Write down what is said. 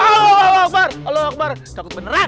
halo akbar takut beneran